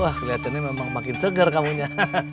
wah kelihatannya memang makin segar kamunya